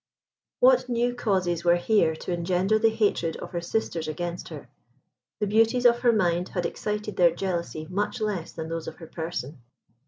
What new causes were here to engender the hatred of her sisters against her! The beauties of her mind had excited their jealousy much less than those of her person.